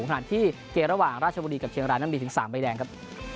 ขณะที่เกมระหว่างราชบุรีกับเชียงรายนั้นมีถึง๓ใบแดงครับ